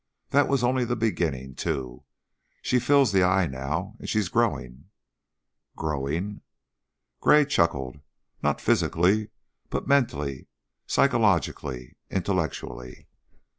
That was only the beginning, too. She fills the eye now, and she's growing." "Growing?" Gray chuckled. "Not physically, but mentally, psychologically, intellectually."